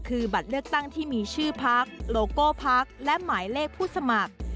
คือบัตรเลือกตั้งที่มีชื่อพักโลโก้พักและหมายเลขผู้สมัคร